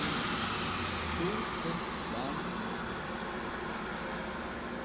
Tes̃h tesh band (hardal) me kat̃.